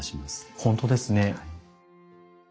本当ですね。